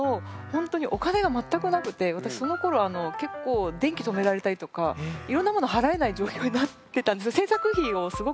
私そのころ結構電気止められたりとかいろんなもの払えない状況になってたんですね。